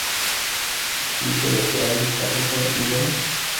Distrito electoral de Stapleton No.